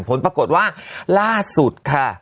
ผลปรากฏว่าล่าสุดค่ะ